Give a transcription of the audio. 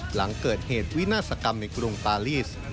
หลังเกิดเหตุวินาศกรรมในกรุงปาลีส